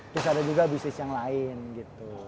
terus ada juga bisnis yang lain gitu